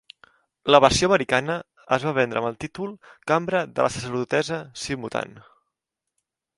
La versió americana es va vendre amb el títol "Cambra de la sacerdotessa Sci-mutant".